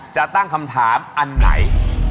จะตั้งคำถามอันไหน